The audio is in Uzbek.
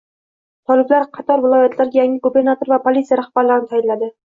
Toliblar qator viloyatlarga yangi gubernator va politsiya rahbarlarini tayinlading